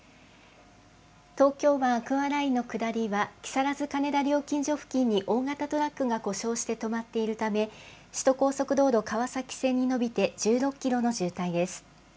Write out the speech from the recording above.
東京湾アクアラインの下りは、木更津金田料金所付近に大型トラックが故障して止まっているため、首都高速道路川崎線に延びて１６キロの渋滞です。